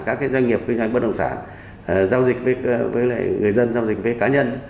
các doanh nghiệp kinh doanh bất động sản giao dịch với người dân giao dịch với cá nhân